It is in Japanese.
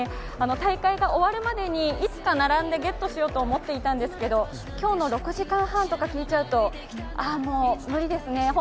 大会が終わるまでに、いつか並んでゲットしようと思っていたんですが、今日の６時間半とか聞いちゃうと、無理ですね。